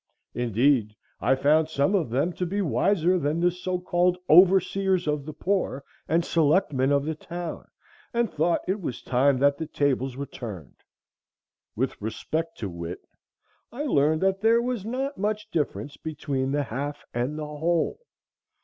Indeed, I found some of them to be wiser than the so called overseers of the poor and selectmen of the town, and thought it was time that the tables were turned. With respect to wit, I learned that there was not much difference between the half and the whole.